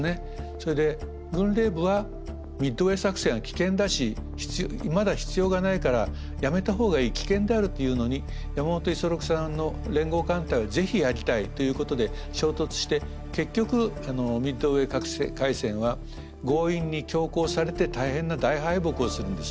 それで軍令部はミッドウェー作戦は危険だしまだ必要がないからやめたほうがいい危険であるというのに山本五十六さんの連合艦隊はぜひやりたいということで衝突して結局ミッドウェー海戦は強引に強行されて大変な大敗北をするんです。